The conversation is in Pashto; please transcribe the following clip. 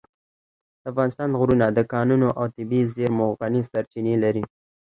د افغانستان غرونه د کانونو او طبیعي زېرمو غني سرچینې لري.